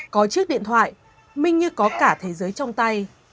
có chiếc điện thoại mình như có cả thế giới trong tay